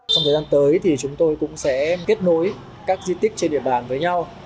trong thời gian tới thì chúng tôi cũng sẽ kết nối các di tích trên địa bàn với nhau